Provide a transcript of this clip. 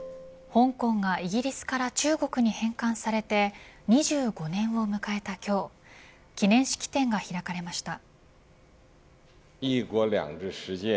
香港がイギリスから中国に返還されて２５年を迎えた今日記念式典が開かれました。